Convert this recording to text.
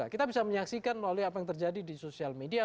kita bisa menyaksikan melalui apa yang terjadi di sosial media